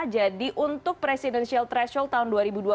jadi untuk presidential threshold tahun dua ribu dua puluh empat